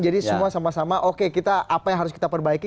jadi semua sama sama oke kita apa yang harus kita perbaiki